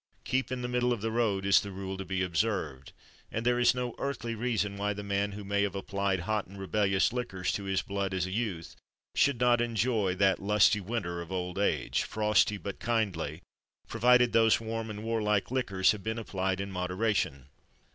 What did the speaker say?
"Keep in the middle of the road," is the rule to be observed; and there is no earthly reason why the man who may have applied "hot and rebellious liquors" to his blood, as a youth, should not enjoy that "lusty winter" of old age, "frosty but kindly," provided those warm and warlike liquors have been applied in moderation.